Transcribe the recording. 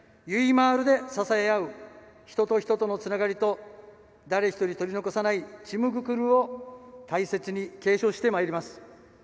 まーるで支えあう人と人とのつながりと誰一人取り残さないちむぐくるを大切にし継承してまいります。